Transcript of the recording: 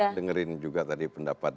ya kita dengerin juga tadi pendapatnya